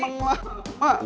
emang lah pak